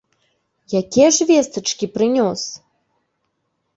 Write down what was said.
Якія ж вестачкі прынёс?